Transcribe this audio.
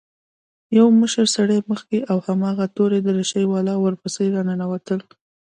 يو مشر سړى مخکې او هماغه تورې دريشۍ والا ورپسې راننوتل.